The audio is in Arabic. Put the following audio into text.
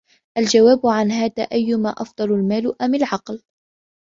الْجَوَابُ عَنْ هَذَا أَيُّمَا أَفْضَلُ الْمَالُ أَمْ الْعَقْلُ